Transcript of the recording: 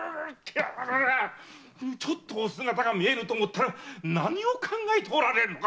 ちょっとお姿が見えぬと思ったら何を考えておられるのか？